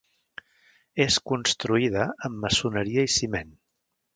És construïda amb maçoneria i ciment.